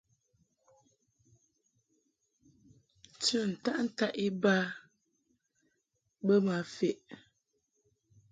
Tɨ ntaʼ ntaʼ iba bə ma feʼ.